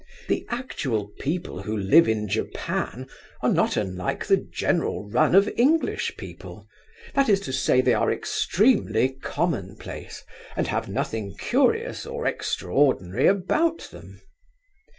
The actual people who live in Japan are not unlike the general run of English people; that is to say, they are extremely commonplace, and have nothing curious or extraordinary about them.